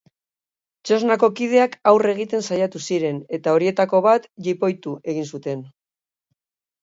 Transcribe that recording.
Txosnako kideak aurre egiten saiatu ziren eta horietako bat jipoitu egin zuten.